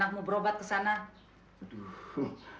aku bayarkan untuk